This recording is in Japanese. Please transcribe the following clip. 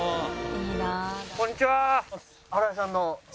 こんにちは！